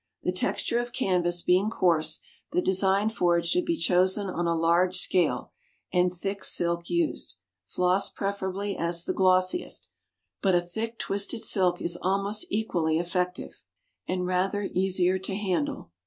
The texture of canvas being coarse, the design for it should be chosen on a large scale, and thick silk used; floss preferably as the glossiest, but a thick twisted silk is almost equally effective, and rather easier to handle.